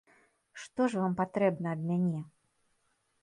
Што ж вам патрэбна ад мяне?